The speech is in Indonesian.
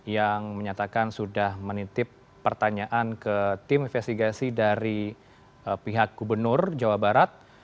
yang menyatakan sudah menitip pertanyaan ke tim investigasi dari pihak gubernur jawa barat